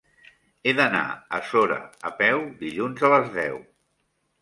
He d'anar a Sora a peu dilluns a les deu.